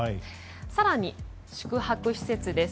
更に、宿泊施設です。